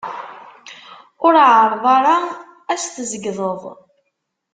Ur εerreḍ ara ad s-tzeyydeḍ!